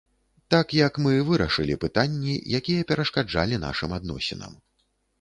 Так, як мы вырашылі пытанні, якія перашкаджалі нашым адносінам.